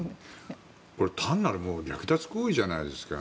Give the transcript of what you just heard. これ、単なる略奪行為じゃないですか。